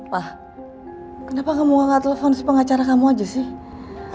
wah kenapa kamu gak telepon si pengacara kamu aja sih